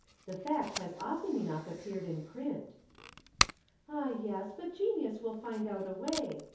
The fact has often enough appeared in print." "Ah, yes, but genius will find out a way.